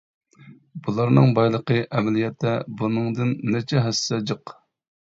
بۇلارنىڭ بايلىقى ئەمەلىيەتتە بۇنىڭدىن نەچچە ھەسسە جىق.